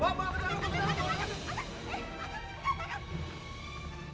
bawa ke dalam